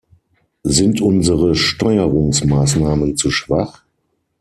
Sind unsere Steuerungsmaßnahmen zu schwach?